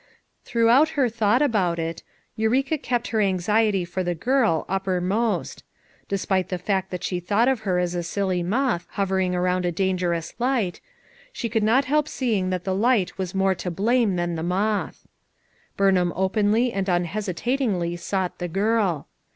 Throughout her thought about it, Eureka kept her anxiety for the girl, uppermost; de spite the fact that she thought of her as a silly moth hovering around a dangerous light, she could not help seeing that the light was more to blame than the moth, Bumham openly and unhesitatingly sought the girl.